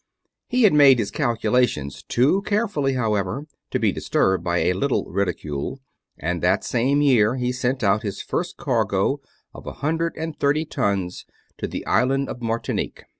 He had made his calculations too carefully, however, to be disturbed by a little ridicule; and that same year he sent out his first cargo of a hundred and thirty tons, to the Island of Martinique.